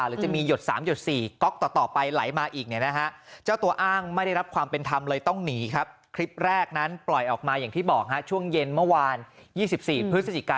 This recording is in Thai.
หรือจะมีหยกสามหยกสี่ก๊อกต่อไป